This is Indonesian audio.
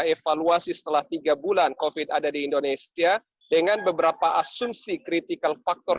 evaluasi setelah tiga bulan covid ada di indonesia dengan beberapa asumsi critical factor